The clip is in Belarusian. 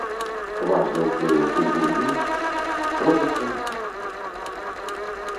Важны ўплыў у гульні робіцца на тактыку.